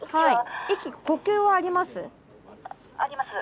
息呼吸はあります？